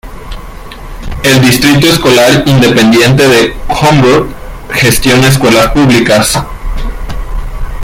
El Distrito Escolar Independiente de Humble gestiona escuelas públicas.